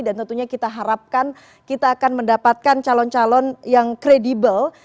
dan tentunya kita harapkan kita akan mendapatkan calon calon yang kredibel